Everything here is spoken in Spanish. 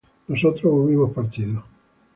nosotros hubimos partido